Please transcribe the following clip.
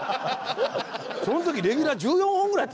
その時レギュラー１４本ぐらいやってたよ